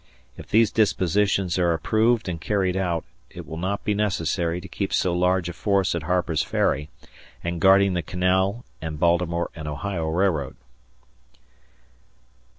If these dispositions are approved and carried out, it will not be necessary to keep so large a force at Harper's Ferry and guarding the canal and Baltimore and Ohio Railroad.